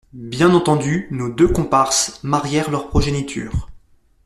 Bien entendu, nos deux comparses marièrent leurs progénitures.